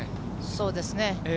そうですね。